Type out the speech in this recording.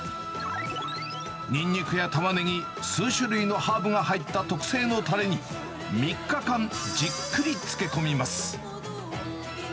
ニンニクやタマネギ、数種類のハーブが入った特製のたれに、３日間、じっくり漬け込みます。